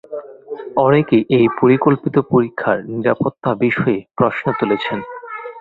অনেকেই এই পরিকল্পিত পরীক্ষার নিরাপত্তা বিষয়ে প্রশ্ন তুলেছেন।